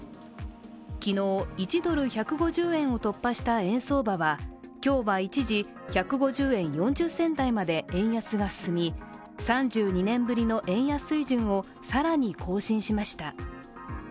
昨日、１ドル＝１５０円を突破した円相場は、今日は一時１５０円４０銭台まで円安が進み、３２年ぶりの円安水準を更に更新しました。